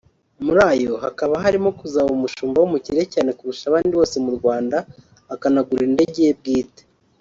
muri ayo hakaba harimo kuzaba umushumba w’umukire cyane kurusha abandi bose mu Rwanda akanagura indege ye bwite